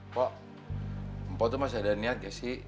pak mpok tuh masih ada niat nggak sih